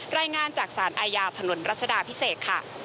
รายงานจากสารอาญาถนนรัชดาพิเศษค่ะ